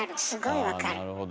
すごい分かる。